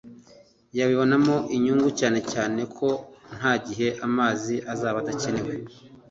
yabibonamo inyungu (cyane cyane ko nta gihe amazi azaba adakenewe)